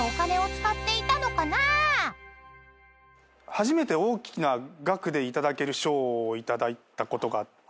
初めて大きな額で頂ける賞を頂いたことがあって。